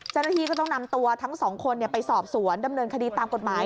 เจ้าหน้าที่ก็ต้องนำตัวทั้งสองคนไปสอบสวนดำเนินคดีตามกฎหมาย